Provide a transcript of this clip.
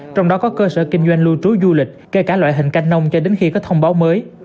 trong đó có cơ sở kinh doanh lưu trú du lịch kể cả loại hình canh nông cho đến khi có thông báo mới